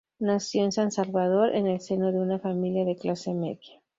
Nació en San Salvador, en el seno de una familia de clase media.